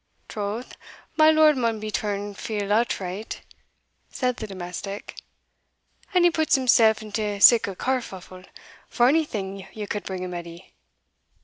"Troth, my Lord maun be turned feel outright," said the domestic, "an he puts himsell into sic a carfuffle, for onything ye could bring him, Edie."